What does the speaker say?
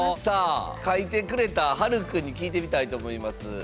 さあ描いてくれたはるくんに聞いてみたいと思います。